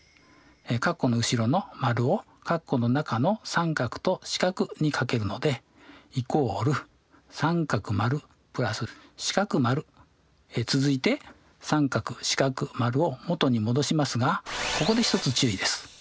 括弧の後ろの○を括弧の中の△と□に掛けるので続いて△□○を元に戻しますがここで一つ注意です。